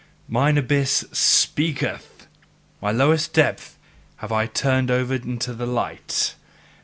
Mine abyss SPEAKETH, my lowest depth have I turned over into the light!